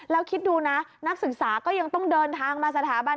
แล้วคิดดูนะนักศึกษาก็ยังต้องเดินทางมาสถาบัน